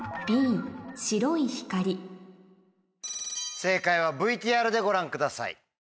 正解はＶＴＲでご覧ください。